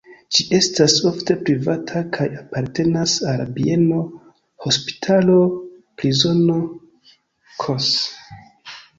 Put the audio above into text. Ĝi estas ofte privata kaj apartenas al bieno, hospitalo, prizono ks.